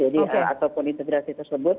jadi ataupun integrasi tersebut